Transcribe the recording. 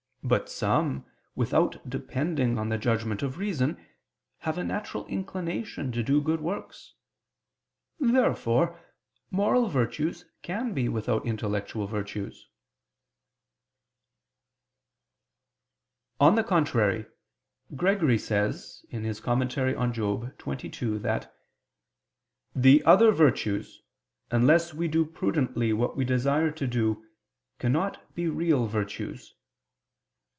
But some, without depending on the judgment of reason, have a natural inclination to do good works. Therefore moral virtues can be without intellectual virtues. On the contrary, Gregory says (Moral. xxii) that "the other virtues, unless we do prudently what we desire to do, cannot be real virtues."